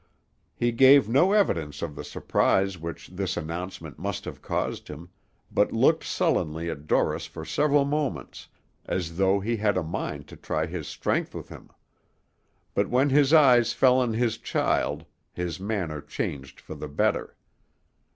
He gave no evidence of the surprise which this announcement must have caused him, but looked sullenly at Dorris for several moments, as though he had a mind to try his strength with him; but when his eyes fell on his child, his manner changed for the better.